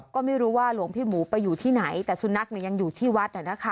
ก็ไม่รู้ว่าหลวงพี่หมูไปอยู่ที่ไหนแต่สุนัขยังอยู่ที่วัด